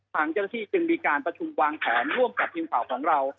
ทางเจ้าหน้าที่จึงมีการประชุมวางแผนร่วมกับทีมข่าวของเรา